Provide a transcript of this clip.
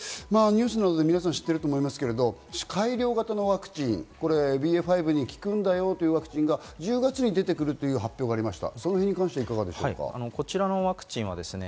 ニュースなどで皆さん知ってると思いますけれども、改良型のワクチン、ＢＡ．５に効くんだよというワクチンが１０月に出てくるという発表がありました。